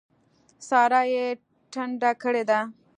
سارا يې ټنډه کړې ده.